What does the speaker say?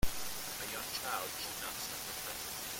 A young child should not suffer fright.